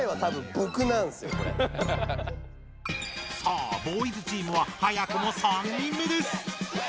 さあボーイズチームは早くも３人目です！